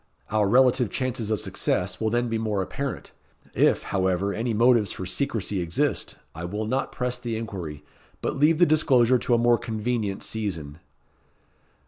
Our relative chances of success will then be more apparent. If, however, any motives for secrecy exist, I will not press the inquiry, but leave the disclosure to a more convenient season."